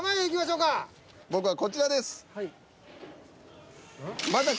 僕はこちらです。